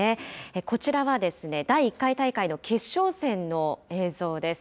こちらは、第１回大会の決勝戦の映像です。